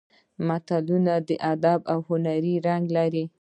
متلونه ادبي او هنري رنګ لري